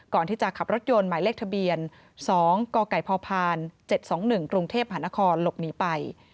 ก่อนที่จะขับรถยนต์หมายเลขทะเบียน๒กกพพ๗๒๑กรุงเทพหานครหลบหนีไป